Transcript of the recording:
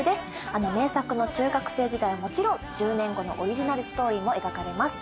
あの名作の中学生時代はもちろん１０年後のオリジナルストーリーも描かれます。